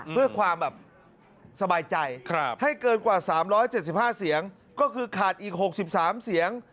เพื่อความแบบสบายใจให้เกินกว่า๓๗๕เสียงก็คือขาดอีก๖๓เสียง